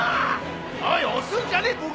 おい押すんじゃねえボケ